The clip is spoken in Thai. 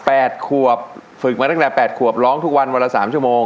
แปดขวบฝึกมาตั้งแต่แปดขวบร้องทุกวันวันละสามชั่วโมง